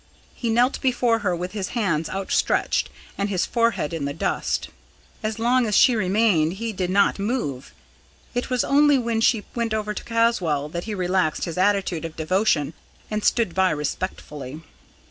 He knelt before her with his hands out stretched and his forehead in the dust. So long as she remained he did not move; it was only when she went over to Caswall that he relaxed his attitude of devotion and stood by respectfully.